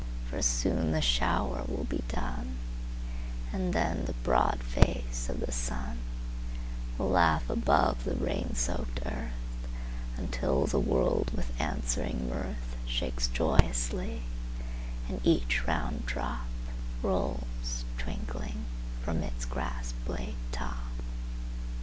For soon the shower will be done, And then the broad face of the sunWill laugh above the rain soaked earthUntil the world with answering mirthShakes joyously, and each round dropRolls, twinkling, from its grass blade top.